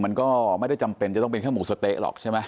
มันก็ไม่ได้จำเป็นจะต้องเป็นแค่หมูสะเต๊ะหรอกใช่ไหม